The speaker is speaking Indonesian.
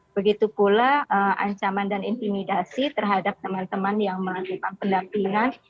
begitu pula ancaman dan intimidasi terhadap teman teman yang melakukan pendampingan